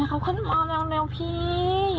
เขาขึ้นมาเร็วพี่